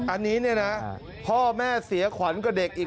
อันนี้นะพ่อแม่เสียขวัญกับเด็กอีก